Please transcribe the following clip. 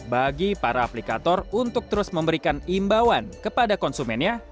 bagi para aplikator untuk terus memberikan imbauan kepada konsumennya